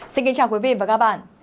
xin kính chào quý vị và các bạn